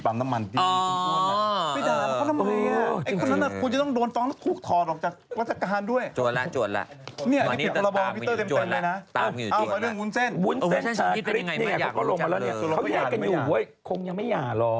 คือไอ้ความเศร้าวาดจักรคนนั้นเนี่ย